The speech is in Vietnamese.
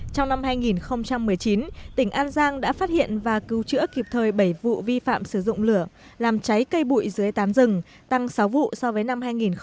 trong năm hai nghìn một mươi chín tỉnh an giang đã phát hiện và cứu chữa kịp thời bảy vụ vi phạm sử dụng lửa làm cháy cây bụi dưới tám rừng tăng sáu vụ so với năm hai nghìn một mươi bảy